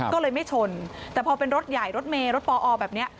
ก็เลยไม่ชนแต่พอเป็นรถใหญ่รถเมย์รถปอแบบนี้